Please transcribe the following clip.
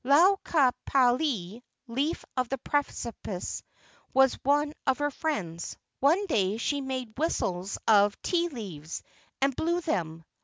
Lau ka pali (leaf of the precipice) was one of her friends. One day she made whistles of tit leaves, and blew them.